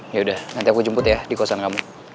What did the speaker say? yaudah nanti aku jemput ya di kosan kamu